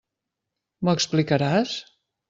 M'ho explicaràs?